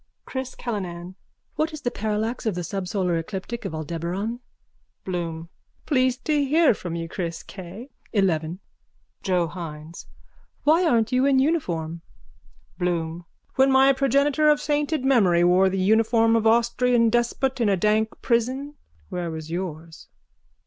_ CHRIS CALLINAN: What is the parallax of the subsolar ecliptic of Aldebaran? BLOOM: Pleased to hear from you, Chris. K. 11. JOE HYNES: Why aren't you in uniform? BLOOM: When my progenitor of sainted memory wore the uniform of the Austrian despot in a dank prison where was yours?